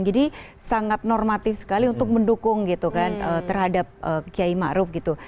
jadi sangat normatif sekali untuk mendukung gitu kan terhadap kiai ma'ruf gitu